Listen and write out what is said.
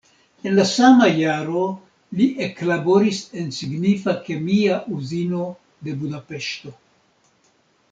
En la sama jaro li eklaboris en signifa kemia uzino de Budapeŝto.